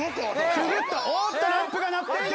くぐったおっとランプが鳴っている！